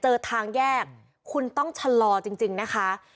เจอทางแยกคุณต้องชะลอจริงนะคะ